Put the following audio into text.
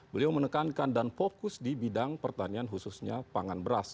beliau menekankan dan fokus di bidang pertanian khususnya pangan beras